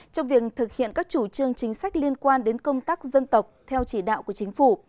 trong việc thực hiện các chủ trương chính sách liên quan đến công tác dân tộc theo chỉ đạo của chính phủ